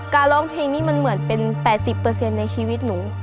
ร้องเพลงนี้มันเหมือนเป็น๘๐ในชีวิตหนู